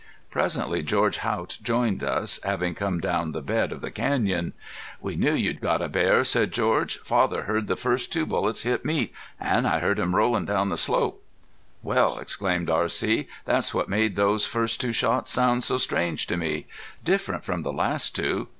Presently George Haught joined us, having come down the bed of the canyon. "We knew you'd got a bear," said George. "Father heard the first two bullets hit meat. An' I heard him rollin' down the slope." "Well!" exclaimed R.C. "That's what made those first two shots sound so strange to me. Different from the last two.